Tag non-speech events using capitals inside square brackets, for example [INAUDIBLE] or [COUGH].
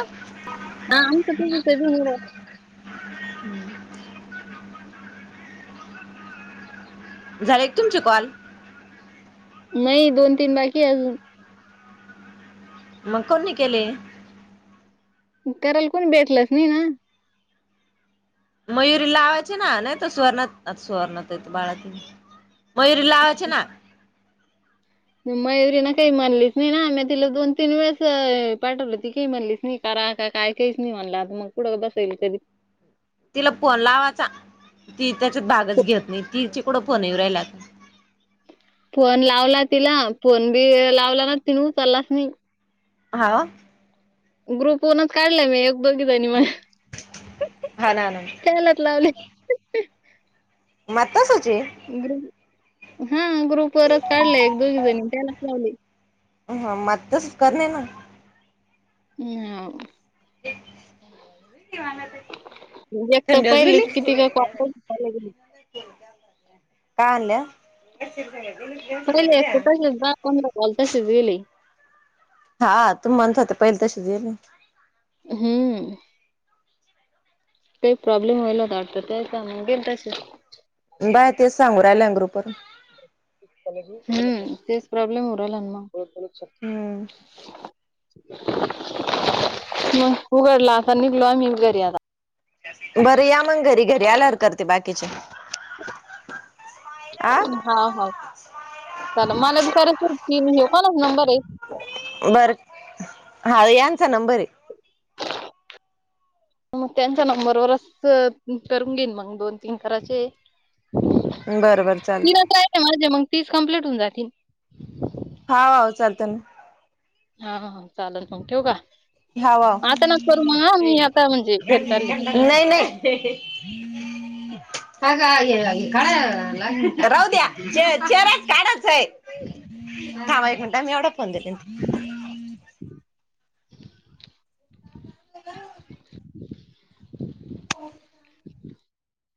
ह हा आमच त झाले एक तुमची कॉल नाही दोन तीन बाकी अजून मग कोण केले करायल कोण भेटलस नाही ना मयुरी लावाचे ना नाही तर स्वर्ण स्वर्णथ येत बाळाकी मयूर ला असच ना मयु्री ना काही म्हणलीच नाही ना आम्ही तिला दोन तीन वेळेस पाठवलं ती काही म्हणलीच नाही कारण का का काय काहीच नाही म्हणलंता मग कुठं बसेल कधी तिला फोन लावाचा ती त्याच्यात भागच फो- घेत नाही ती चिकडं फोन राहिला आता फोन लावला तिला फोन बी लावला ना तिन उचललास नाही हा ग्रुपनच काढला मी एक दोघी जनी मग हा ना ना खलात लावले म सु गर हा ग्रुप वरच काढले एक दोघी जणी त्यालाच लावली हा मग तसच करणे ना हम् [INAUDIBLE] एक तर थंड हच रेली पहिलेच किती का कॉल कान पहिले तशीच दहा पंधरा काल तशीच गेली हा तू माणत होते पहिले तशी येल हम्म काही प्रॉब्लेम होईल होता वा त्याग गेल तसे बाय तेच सांगू राहिल्या अंगरुपर हम्म तेच प्रॉब्लेम होरल मग हम्म मग उघडला आता निघलो आ मी घरी आता बरं या मग घरी घरी आल्यार करते बाकीचे आ हा हा चाला मला बी कच घ कला नंबर आहे बर हा यांचा नंबर हॅलो मग त्यांच्या नंबरवरच करून घेईन मग दोन तीन करायचे बरं बर चालत तीनच पाहीजेत मग तीस कम्प्लीट होऊन जातील हा हो चालतय ना हा हा हा चालेल मग ठेवू का हा वाव आता नका करू मग मी आता म्हणजे घरी चालले नाही नाही अग आई हे काय लावलय राहू द्या चेहरायाच काढाच आहे थांबा एक मिनीट ह मी एवढा फोन देते देवून य सगळं सगळं सांगते हो बर